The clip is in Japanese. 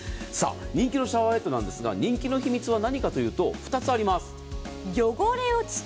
人気のシャワーヘッドなんですが人気の秘密は何かというと２つあります。